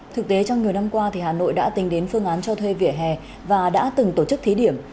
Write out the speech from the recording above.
thực tế trong nhiều năm qua hà nội đã tính đến phương án cho thuê vỉa hè và đã từng tổ chức thí điểm